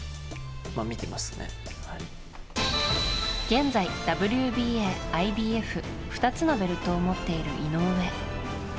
現在、ＷＢＡ、ＩＢＦ２つのベルトを持っている井上。